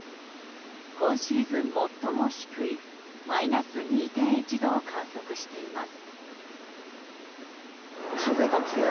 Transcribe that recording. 今シーズン最も低いマイナス２．１度を観測しています。